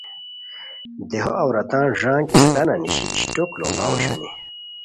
دیہو عوراتان ݱانگ استانہ نیشی اشٹوک لوڑاؤ اوشونی